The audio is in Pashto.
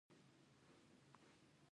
دا پرېکړه به تر ټولو منصفانه وي.